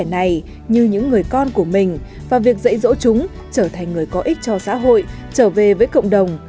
này như những người con của mình và việc dạy dỗ chúng trở thành người có ích cho xã hội trở về với cộng đồng